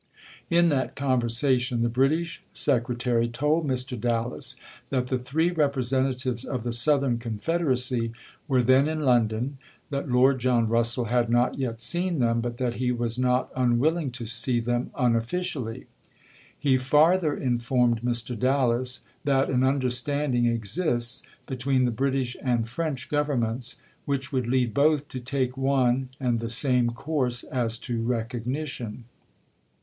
In that conversation the British Secretary told Mr. Dallas that the three representatives of the Southern Confed eracy were then in London, that Lord John Russell had not yet seen them, but that he was not unwilling to see them unofficially. He farther informed Mr. Dallas that an understanding exists between the British and French Governments which would lead both to take one and the same course as to recognition.